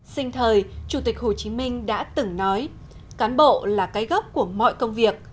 sinh thời chủ tịch hồ chí minh đã từng nói cán bộ là cái gốc của mọi công việc